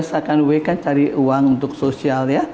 biasa kan week kan cari uang untuk sosial